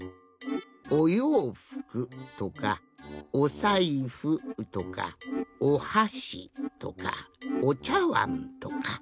「おようふく」とか「おさいふ」とか「おはし」とか「おちゃわん」とか。